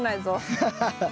ハハハッ。